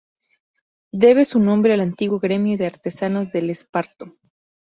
Debe su nombre al antiguo gremio de artesanos del esparto.